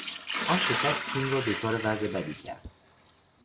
آن شکست تیم را دچار وضع بدی کرد.